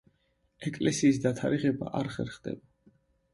ეკლესიის დათარიღება არ ხერხდება.